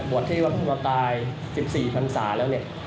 ที่วัดพระธรรมกาย๑๔พันศาแล้วเนี่ย